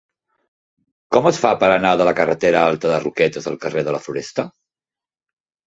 Com es fa per anar de la carretera Alta de les Roquetes al carrer de la Floresta?